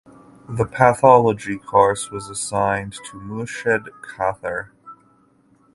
The pathology course was assigned to Murshid Khater.